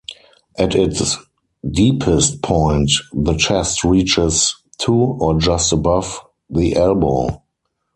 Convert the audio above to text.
At its deepest point the chest reaches to, or just above, the elbow.